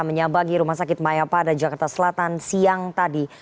menyabagi rumah sakit maya pada jakarta selatan siang tadi